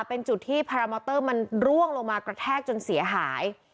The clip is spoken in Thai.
เป็นจุดที่มันร่วงลงมากระแทกจนเสียหาย